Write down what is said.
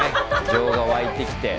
情が湧いてきて。